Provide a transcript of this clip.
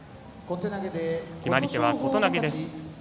決まり手は小手投げです。